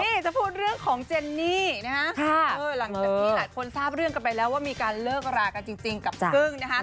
นี่จะพูดเรื่องของเจนนี่นะฮะหลังจากที่หลายคนทราบเรื่องกันไปแล้วว่ามีการเลิกรากันจริงกับกึ้งนะคะ